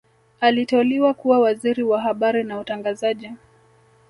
Aliteuliwa kuwa Waziri wa Habari na Utangazaji